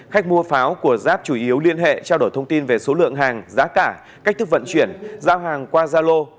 khách mua pháo của giáp chủ yếu liên hệ trao đổi thông tin về số lượng hàng giá cả cách thức vận chuyển giao hàng qua gia lô